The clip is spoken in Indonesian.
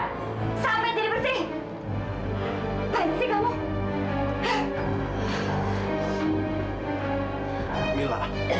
kamu ngapain sih